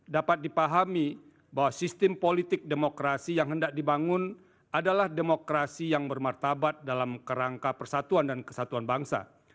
dapat dipahami bahwa sistem politik demokrasi yang hendak dibangun adalah demokrasi yang bermartabat dalam kerangka persatuan dan kesatuan bangsa